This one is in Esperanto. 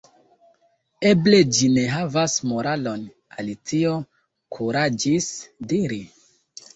"Eble ĝi ne havas moralon," Alicio kuraĝis diri.